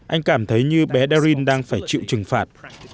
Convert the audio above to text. anh cảm thấy như bé derin đang phải chịu trừng phạt